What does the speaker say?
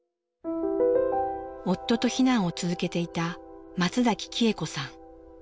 夫と避難を続けていた松崎喜恵子さん。